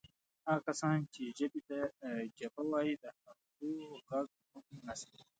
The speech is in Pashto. هغه کسان چې ژبې ته جبه وایي د هغو ږغ هم نسته.